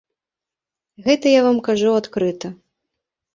Гэта я вам кажу адкрыта.